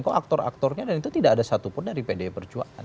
kok aktor aktornya dan itu tidak ada satupun dari pdi perjuangan